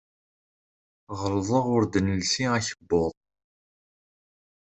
Ɣelḍeɣ ur d-nelsi akebbuḍ.